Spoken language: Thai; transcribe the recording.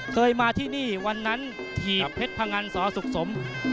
เคยมาที่นี่วันนั้นถีบเพชรพงันสอสุขสม